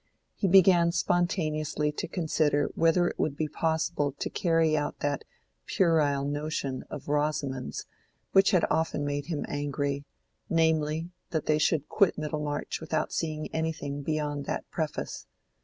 He began spontaneously to consider whether it would be possible to carry out that puerile notion of Rosamond's which had often made him angry, namely, that they should quit Middlemarch without seeing anything beyond that preface.